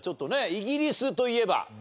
「イギリスといえば」。